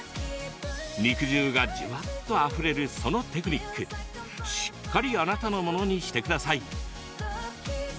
肉汁がじゅわっとあふれるそのテクニック、しっかりあなたのものにしてください。